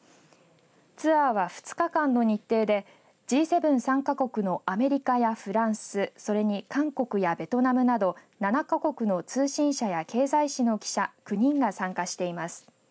ツアーは２日間の日程でＧ７参加国のアメリカやフランスそれに韓国やベトナムなど７か国の通信社や経済誌の記者９人が参加しています。